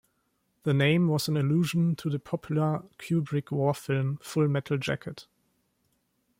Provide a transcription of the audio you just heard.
The name was an allusion to the popular Kubrick war film "Full Metal Jacket".